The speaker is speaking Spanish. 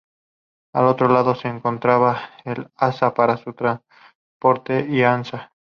Al otro lado se encontraba el asa para su transporte o "Ansa".